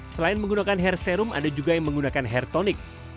selain menggunakan hair serum ada juga yang menggunakan hair tonic